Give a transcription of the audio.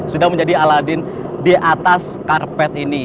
sudah menjadi aladin di atas karpet ini